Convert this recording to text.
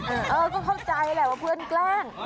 เออก็เข้าใจแหละว่าเพื่อนแกล้ง